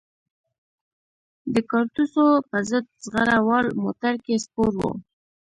د کارتوسو په ضد زغره وال موټر کې سپور وو.